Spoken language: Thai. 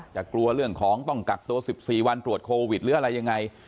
กลัวเรื่องของต้องกักตัว๑๔วันตรวจโควิดหรืออะไรยังไง